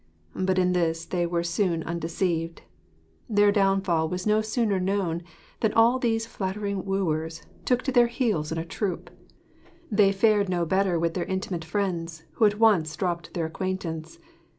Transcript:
But in this they were soon undeceived. Their downfall was no sooner known than all these flattering wooers took to their heels in a troop. They fared no better with their intimate friends, who at once dropped their acquaintance.